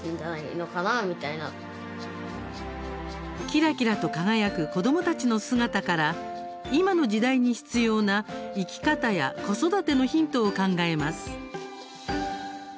キラキラと輝く子どもたちの姿から今の時代に必要な生き方や子育てのヒントを考えます。